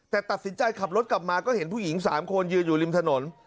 แต่ตัดสินใจขับรถกลับมาก็เห็นผู้หญิง๓คนยืนอยู่ริมถนน